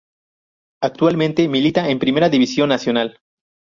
Actualmente milita en Primera División Nacional.